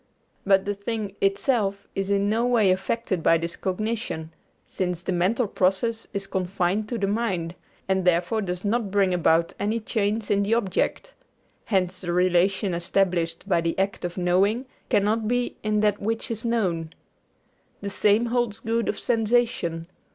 But the thing itself is in no way affected by this cognition, since the mental process is confined to the mind, and therefore does not bring about any change in the object. Hence the relation established by the act of knowing cannot be in that which is known. The same holds good of sensation.